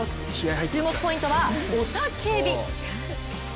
注目ポイントは、雄たけび。